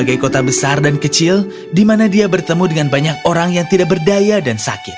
sebagai kota besar dan kecil di mana dia bertemu dengan banyak orang yang tidak berdaya dan sakit